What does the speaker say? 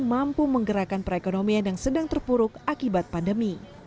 mampu menggerakkan perekonomian yang sedang terpuruk akibat pandemi